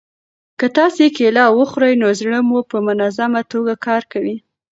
که تاسي کیله وخورئ نو زړه مو په منظمه توګه کار کوي.